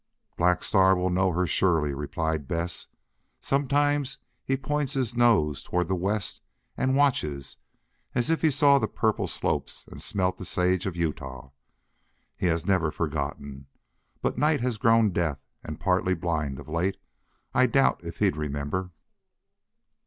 "Black Star will know her, surely," replied Bess. "Sometimes he points his nose toward the west and watches as if he saw the purple slopes and smelt the sage of Utah! He has never forgotten. But Night has grown deaf and partly blind of late. I doubt if he'd remember."